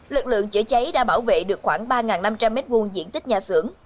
lực lượng chữa cháy đã bảo vệ được khoảng ba năm trăm linh m hai diện tích nhà xưởng